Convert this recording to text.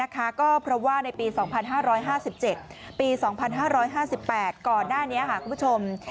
ก็เพราะว่าในปี๒๕๕๗ปี๒๕๕๘ก่อนหน้านี้คุณผู้ชม